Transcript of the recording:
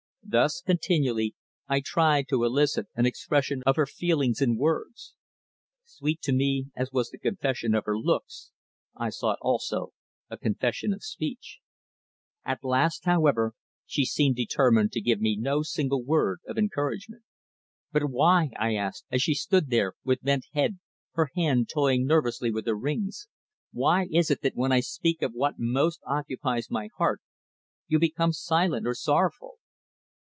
Thus, continually, I tried to elicit an expression of her feelings in words. Sweet to me as was the confession of her looks, I sought also a confession of speech. Alas! however, she seemed determined to give me no single word of encouragement. "But why," I asked, as she stood there with bent head, her hand toying nervously with her rings, "why is it that when I speak of what most occupies my heart you become silent or sorrowful?"